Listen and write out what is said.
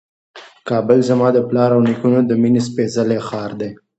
کابل زما د پلار او نیکونو د مېنې سپېڅلی ښار دی.